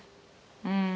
うん。